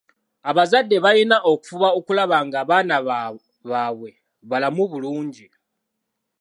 Abazadde balina okufuba okulaba nga abaana baabwe balamu bulungi.